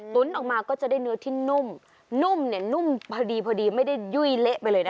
ออกมาก็จะได้เนื้อที่นุ่มนุ่มเนี่ยนุ่มพอดีพอดีไม่ได้ยุ่ยเละไปเลยนะคะ